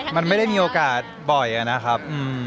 มันไม่ได้มีโอกาสบ่อยนะครับ